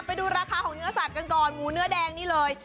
ไปดูราคาของเนื้อสัตว์กันก่อนหมูเนื้อแดงนี่เลย